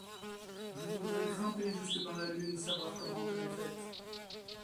Je voudrais grimper jusque dans la lune savoir comment elle est faite.